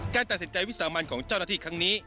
การตัดสินใจวิสามันของเจ้าหน้าที่ครั้งนี้